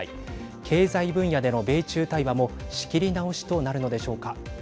経済分野での米中対話も仕切り直しとなるのでしょうか。